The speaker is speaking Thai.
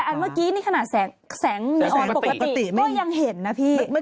เมื่อกี้นี่ขนาดแสงอ่อนปกติก็ยังเห็นนะพี่